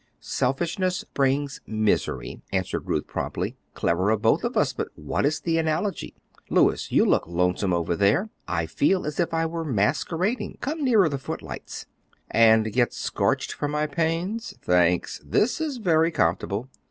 "Selfishness brings misery," answered Ruth, promptly; "clever of both of us, but what is the analogy? Louis, you look lonesome over there. I feel as if I were masquerading; come nearer the footlights." "And get scorched for my pains? Thanks; this is very comfortable.